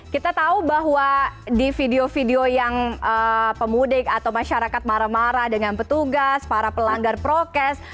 kita tahu bahwa di video video yang pemudik atau masyarakat marah marah dengan petugas para pelanggar prokes